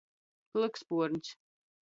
Plykspuorņs.